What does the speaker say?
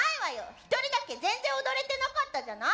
一人だけ全然踊れてなかったじゃない！